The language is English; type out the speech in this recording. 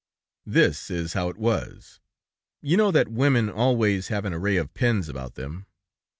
"This is how it was.... You know that women always have an array of pins about them.